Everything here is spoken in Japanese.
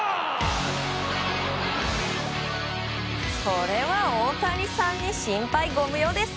それは大谷さんに心配ご無用です！